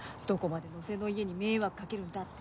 どこまで野瀬の家に迷惑かけるんだ！